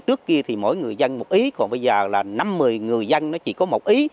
trước kia thì mỗi người dân một ý còn bây giờ là năm một mươi người dân nó chỉ có một ý